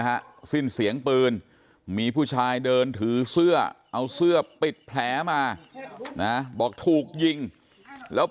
ฮะสิ้นเสียงปืนมีผู้ชายเดินถือเสื้อเอาเสื้อปิดแผลมานะบอกถูกยิงแล้ว